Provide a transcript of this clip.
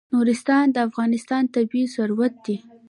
نورستان د افغانستان طبعي ثروت دی.